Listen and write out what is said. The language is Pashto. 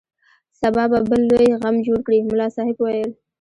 سبا به بل لوی غم جوړ کړي ملا صاحب وویل.